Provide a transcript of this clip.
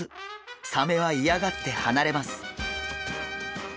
サメは嫌がって離れます。